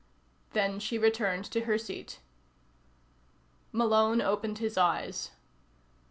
Then she returned to her seat. Malone opened his eyes.